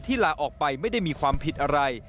ลาออกไปไม่ได้มีความผิดอะไร